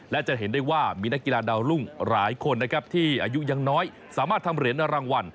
และจะเห็นได้ว่ามีนักกีฬาดาวรุ่งหลายคนนะครับที่อายุยังน้อยสามารถทำเหรียญรางวัล